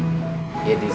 sampai dimana tadi